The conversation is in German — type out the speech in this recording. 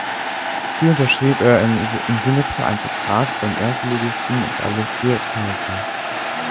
Hier unterschrieb er in Singapur einen Vertrag beim Erstligisten Balestier Khalsa.